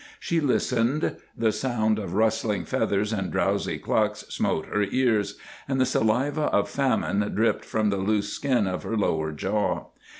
She listened. The sound of rustling feathers and drowsy clucks smote her ears, and the saliva of famine dripped from the loose skin of her lower jaw.